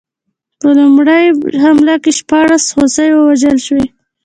په لومړۍ حمله کې شپاړس هوسۍ ووژل شوې.